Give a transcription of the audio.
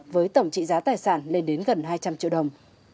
với tổng trị giá tài sản lên đến gần hai trăm linh triệu đồng